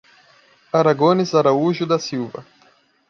Aragones Araújo da Silva